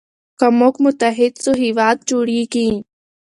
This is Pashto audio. که موږ متحد سو هېواد جوړیږي.